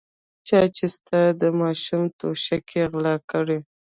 چا چې ستا د ماشوم توشکه غلا کړې.